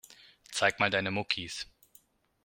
Zeig mal deine Muckis.